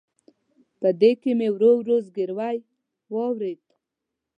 په دې کې مې ورو ورو زګیروي واورېد.